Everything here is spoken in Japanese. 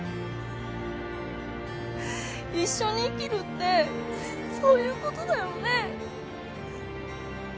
一緒に生きるってそういうことだよね？